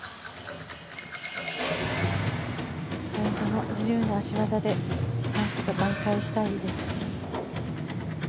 最後の自由の脚技でなんとかばん回したいです。